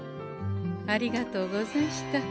ありがとうござんした。